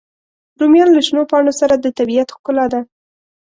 رومیان له شنو پاڼو سره د طبیعت ښکلا ده